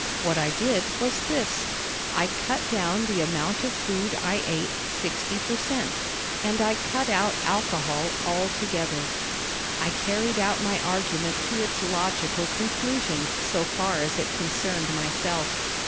What I did was this: I cut down the amount of food I ate sixty per cent and I cut out alcohol altogether! I carried out my argument to its logical conclusion so far as it concerned myself.